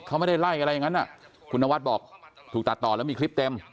เขาไม่ได้ไล่อะไรอย่างนั้นคุณนวัดบอกถูกตัดต่อแล้วมีคลิปเต็ม